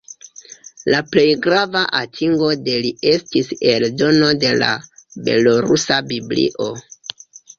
La plej grava atingo de li estis eldono de la belorusa Biblio.